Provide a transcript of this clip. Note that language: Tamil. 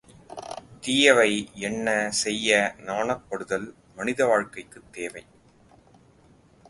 தீயவை எண்ண செய்ய நாணப்படுதல் மனித வாழ்க்கைக்குத் தேவை.